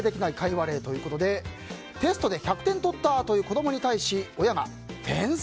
話例ということでテストで１００点とったという子供に対し親が、天才！